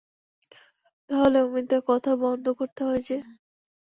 তা হলে অমিতদা, কথা বন্ধ করতে হয় যে।